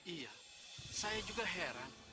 iya saya juga heran